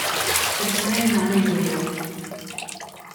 Persone di nome Julio